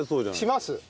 します。